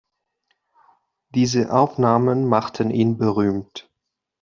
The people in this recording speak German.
Diese Aufnahmen machten ihn berühmt.